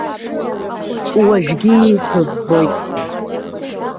Уажәгьы ииҳәо ббоит.